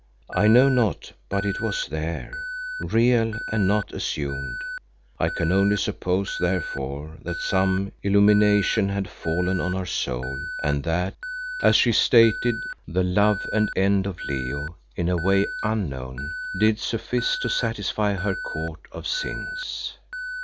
I know not but it was there, real and not assumed. I can only suppose therefore that some illumination had fallen on her soul, and that, as she stated, the love and end of Leo in a way unknown, did suffice to satisfy her court of sins.